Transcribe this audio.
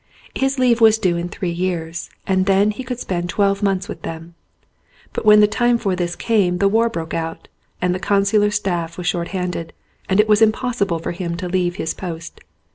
His leave was due in three years and then he could spend twelve months with them. But when the time for this came the war broke out, the Consular staff was short handed, and it was impossible for him to leave his post.